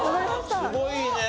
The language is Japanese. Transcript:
すごいね！